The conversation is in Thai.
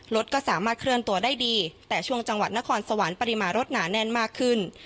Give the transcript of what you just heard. รถก็สามารถเคลื่อนตัวได้ดีแต่ช่วงจังหวัดนครสวรรค์ปริมาณรถหนาแน่นมากขึ้น